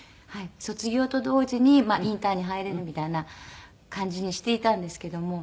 卒業と同時にインターンに入れるみたいな感じにしていたんですけども。